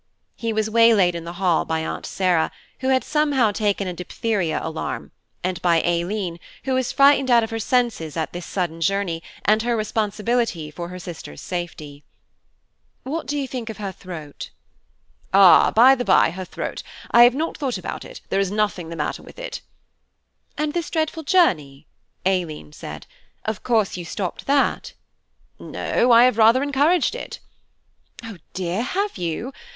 He was waylaid in the hall by Aunt Sarah, who had somehow taken a diphtheria alarm, and by Aileen, who was frightened out of her senses at this sudden journey and her responsibility for her sister's safety. "What do you think of her throat?" "Ah, by the bye, her throat. I have not thought about it–there is nothing the matter with it." "And this dreadful journey," Aileen said, "of course you have stopped that?" "No, I have rather encouraged it." "Oh dear, have you?